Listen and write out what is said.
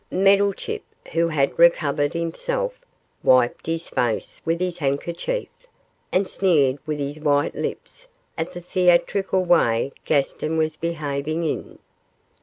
Meddlechip, who had recovered himself, wiped his face with his handkerchief, and sneered with his white lips at the theatrical way Gaston was behaving in.